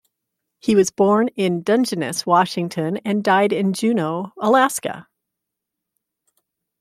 He was born in Dungeness, Washington and died in Juneau, Alaska.